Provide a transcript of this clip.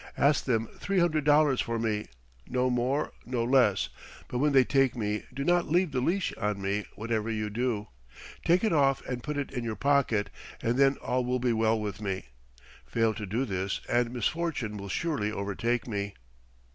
Ask them three hundred dollars for me; no more, no less, but when they take me do not leave the leash on me, whatever you do. Take it off and put it in your pocket, and then all will be well with me. Fail to do this, and misfortune will surely overtake me."